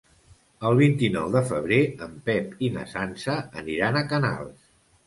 El vint-i-nou de febrer en Pep i na Sança aniran a Canals.